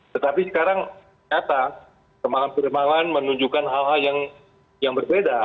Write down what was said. tetapi sekarang ternyata pembangunan pembangunan menunjukkan hal hal yang berbeda